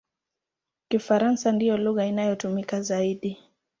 Kifaransa ndiyo lugha inayotumika zaidi.